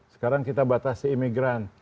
sekarang kita batasi imigran